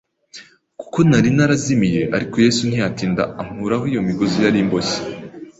kuko nari narazimiye, ariko Yesu ntiyatinda ankuraho iyo migozi yari imboshye.